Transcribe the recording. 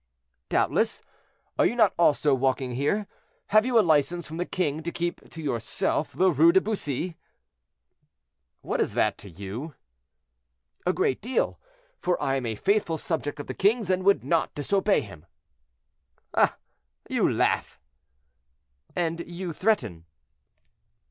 "Doubtless; are you not also walking here? Have you a license from the king to keep to yourself the Rue de Bussy?" "What is that to you?" "A great deal, for I am a faithful subject of the king's, and would not disobey him." "Ah! you laugh!" "And you threaten."